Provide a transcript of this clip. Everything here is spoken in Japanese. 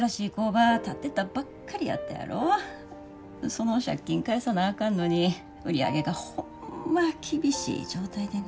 その借金返さなあかんのに売り上げがホンマ厳しい状態でな。